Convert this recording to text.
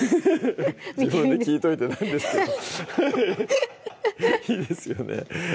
自分で聞いといてなんですけどいいですよね